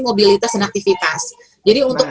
mobilitas dan aktivitas jadi untuk